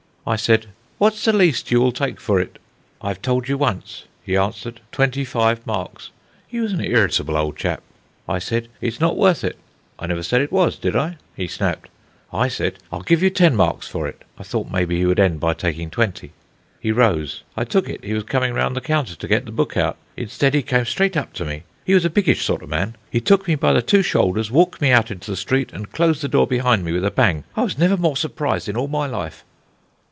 I said: "'What's the least you will take for it?' "'I have told you once,' he answered; 'twenty five marks.' He was an irritable old chap. "I said: 'It's not worth it.' "'I never said it was, did I?' he snapped. "I said: 'I'll give you ten marks for it.' I thought, maybe, he would end by taking twenty. "He rose. I took it he was coming round the counter to get the book out. Instead, he came straight up to me. He was a biggish sort of man. He took me by the two shoulders, walked me out into the street, and closed the door behind me with a bang. I was never more surprised in all my life.